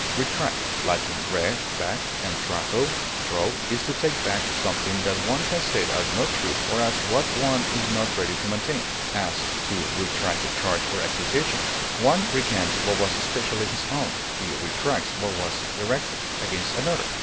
Retract (L. re, back, and traho, draw) is to take back something that one has said as not true or as what one is not ready to maintain; as, to retract a charge or accusation; one recants what was especially his own, he retracts what was directed against another.